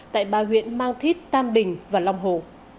tại ba huyện mang thít tam bình và long hồ